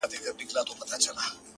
o چي ښکلي سترګي ستا وویني؛